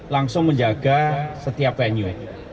langsung menjaga setiap venue